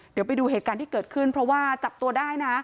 เดี๋ยวไปดูเหตุการณ์ที่เกิดขึ้นเพราะว่าจับตัวได้นะ